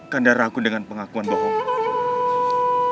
kandar ragu dengan pengakuan bohong